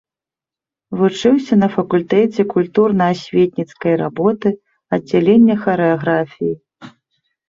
Вучыўся на факультэце культурна-асветніцкай работы, аддзялення харэаграфіі.